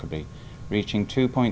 đạt hai ba tỷ đồng